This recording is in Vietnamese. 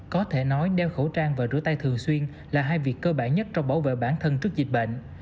có thể nói đeo khẩu trang và rửa tay thường xuyên là hai việc cơ bản nhất trong bảo vệ bản thân trước dịch bệnh